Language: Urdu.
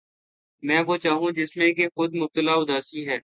میں وہ ہوں جس میں کہ خود مبتلا اُداسی ہے